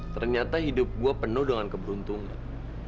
ternyata hidup gue penuh dengan keberuntungan